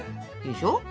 でしょ？